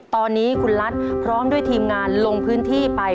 ตอนนี้คุณรัฐพร้อมด้วยทีมงานลงพื้นที่ไป